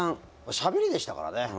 しゃべりでしたからね。